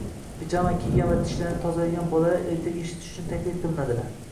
“Pijama kiygan va tishlarini tozalagan bolalar ertak eshitish uchun taklif qilinadilar”.